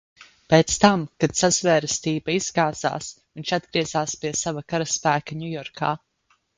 Pēc tam, kad sazvērestība izgāzās, viņš atgriezās pie sava karaspēka Ņujorkā.